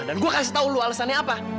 dan gue kasih tau lu alasannya apa